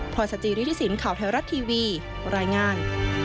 พรสจิริฐศิลป์ข่าวไทยรัฐทีวีรายงาน